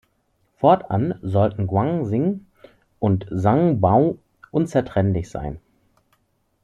Fortan sollten Guan Xing und Zhang Bao unzertrennlich sein.